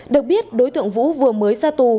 được biết đối tượng vũ vừa mới ra tù